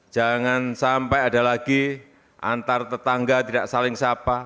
jangan sampai ada lagi antar tetangga tidak saling sapa